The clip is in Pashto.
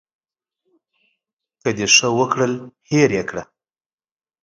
که د ښه وکړل هېر یې کړه .